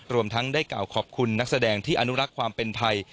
รวมทั้งได้กล่าวขอบคุณนักแสดงที่อนุรักษ์ความเป็นไทย